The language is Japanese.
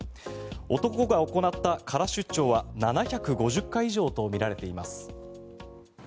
男が行った空出張は７５０回以上とみられています。